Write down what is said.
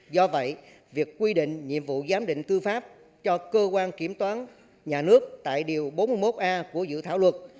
do vậy việc quy định nhiệm vụ giám định tư pháp cho cơ quan kiểm toán nhà nước tại điều bốn mươi một a của dự thảo luật